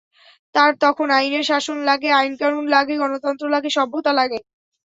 তার তখন আইনের শাসন লাগে, আইনকানুন লাগে, গণতন্ত্র লাগে, সভ্যতা লাগে।